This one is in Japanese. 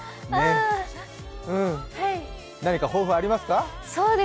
何か抱負ありますか？